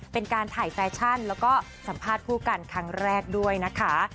เป็นการถ่ายแฟชั่นแล้วก็สัมภาษณ์คู่กันครั้งแรกด้วยนะคะ